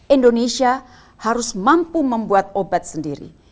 indonesia harus mampu membuat obat sendiri